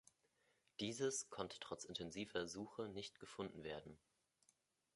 Dieses konnte trotz intensiver Suche nicht gefunden werden.